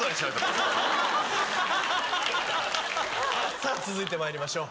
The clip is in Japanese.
さぁ続いてまいりましょう。